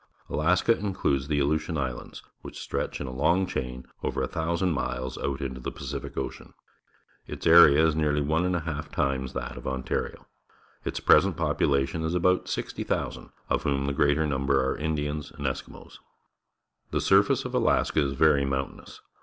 Alaska includes the Aleutian Islands, wliich stretch in a long chain over a thousand miles out into the Pacific Ocean. Its area is nearlv one and a A Part of the Financial Section, Detroit half times that of Ontario. Its present pop ulation is about 60,000, of whom the greater number are Indians and Eskimos. The surface of Alaska is very mountainous.